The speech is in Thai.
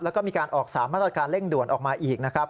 แล้วก็มีการออก๓มาตรการเร่งด่วนออกมาอีกนะครับ